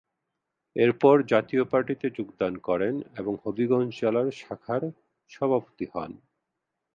এরপর জাতীয় পার্টিতে যোগদান করেন এবং হবিগঞ্জ জেলার শাখার সভাপতি হন।